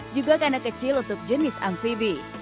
juga kandang kecil untuk jenis amfibi